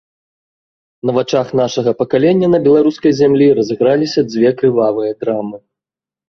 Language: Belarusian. На вачах нашага пакалення на беларускай зямлі разыграліся дзве крывавыя драмы.